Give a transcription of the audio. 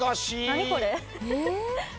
・何これ？